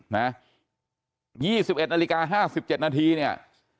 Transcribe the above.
๒๑นาฬิกา๕๗นาทีเนี่ย